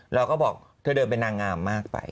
เราก็บอกเธอเดินเป็นนางงามมากไป